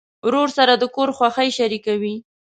ورور سره د کور خوښۍ شریکوي.